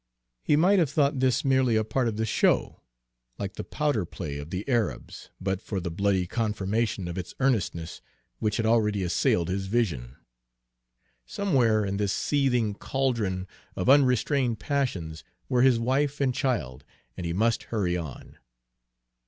He might have thought this merely a part of the show, like the "powder play" of the Arabs, but for the bloody confirmation of its earnestness which had already assailed his vision. Somewhere in this seething caldron of unrestrained passions were his wife and child, and he must hurry on.